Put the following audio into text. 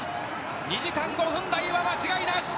２時間５分台は間違いない。